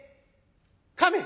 亀！